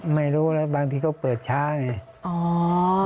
ไม่รู้ค่ะบางทีก็เปิดช้าง่าย